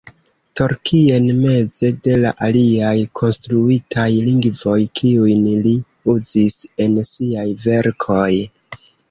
Tolkien meze de la aliaj konstruitaj lingvoj, kiujn li uzis en siaj verkoj.